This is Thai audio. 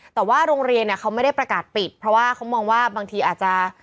แต่ว่าโรงเรียนเขาไม่ได้ประกาศปิดเพราะว่าเขามองว่าบางทีอาจจะ